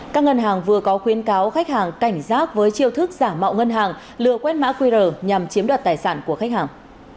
các ngân hàng vừa có khuyến cáo khách hàng cảnh giác với chiêu thức giả mạo ngân hàng lừa quét mã qr nhằm chiếm đoạt tài sản của khách hàng